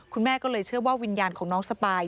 คุณแม่ก็เลยเชื่อว่าวิญญาณของน้องสปาย